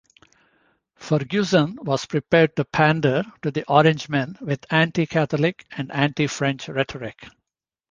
Ferguson was prepared to pander to the Orangemen with anti-Catholic and anti-French rhetoric.